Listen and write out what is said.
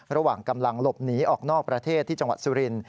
ระหว่างกำลังหลบหนีออกนอกประเทศที่จังหวัดสุรินทร์